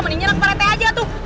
mending nyerang pak rete aja tuh